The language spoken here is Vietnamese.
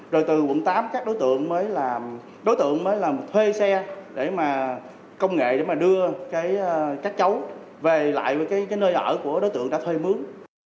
rồi từ quận tám các đối tượng mới làm thuê xe công nghệ để đưa các cháu về lại nơi ở của đối tượng đã thuê mướn